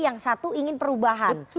yang satu ingin perubahan